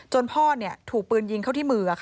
พ่อถูกปืนยิงเข้าที่มือ